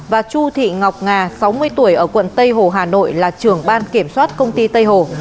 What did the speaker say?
và chu thị ngọc nga sáu mươi tuổi ở quận tây hồ hà nội là trưởng ban kiểm soát công ty tây hồ